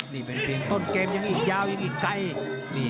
นี่เป็นเพียงต้นเกมยังอีกยาวยังอีกไกล